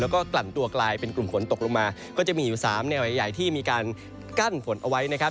แล้วก็กลั่นตัวกลายเป็นกลุ่มฝนตกลงมาก็จะมีอยู่๓แนวใหญ่ที่มีการกั้นฝนเอาไว้นะครับ